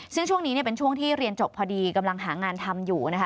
ซึ่งช่วงนี้เป็นช่วงที่เรียนจบพอดีกำลังหางานทำอยู่นะคะ